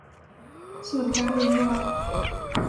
ส่วนการเว้นวรรค